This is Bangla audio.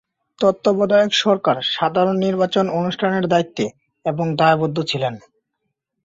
তত্ত্বাবধায়ক সরকার সাধারণ নির্বাচন অনুষ্ঠানের দায়িত্বে এবং দায়বদ্ধ ছিলেন।